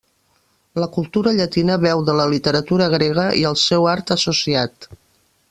La cultura llatina beu de la literatura grega i el seu art associat.